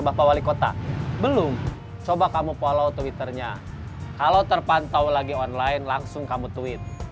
mbah wali kota belum coba kamu follow twitternya kalau terpantau lagi online langsung kamu tweet